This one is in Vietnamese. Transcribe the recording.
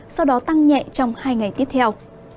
sau đó tăng nhẹ trong hai ngày tiếp theo